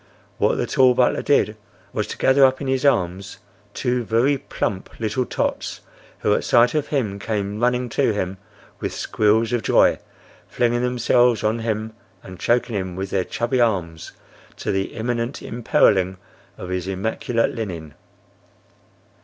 What the tall butler did was to gather up in his arms two very plump little tots who at sight of him came running to him with squeals of joy, flinging themselves on him, and choking him with their chubby arms, to the imminent imperiling of his immaculate linen.